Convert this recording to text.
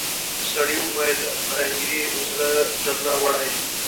سړي وويل پرنګۍ زړه درنه وړی.